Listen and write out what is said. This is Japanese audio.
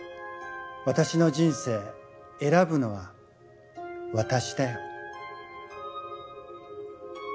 私の人生選ぶのは私だよ」